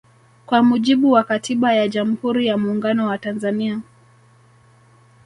Kwa mujibu wa katiba ya jamhuri ya muungano wa Tanzania